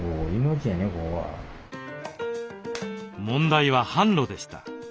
問題は販路でした。